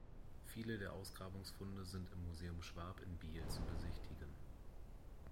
Viele der Ausgrabungsfunde sind im Museum Schwab in Biel zu besichtigen.